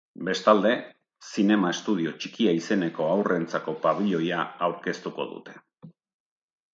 Bestalde, zinema-estudio txikia izeneko haurrentzako pabiloia aurkeztuko dute.